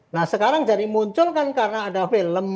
nah sekarang jadi muncul kan karena ada film